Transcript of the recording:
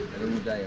kalau gak olahraga